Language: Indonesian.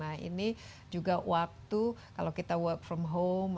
nah ini juga waktu kalau kita work from home